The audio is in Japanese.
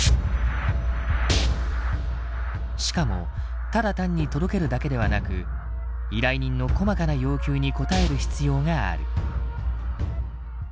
しかもただ単に届けるだけではなく依頼人の細かな要求に応える必要がある。